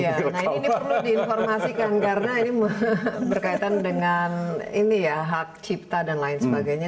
nah ini perlu diinformasikan karena ini berkaitan dengan hak cipta dan lain sebagainya